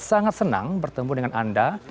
sangat senang bertemu dengan anda